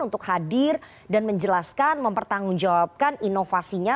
untuk hadir dan menjelaskan mempertanggungjawabkan inovasinya